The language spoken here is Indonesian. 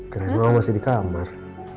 karena mau masih di kamar